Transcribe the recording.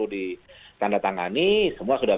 ditandatangani semua sudah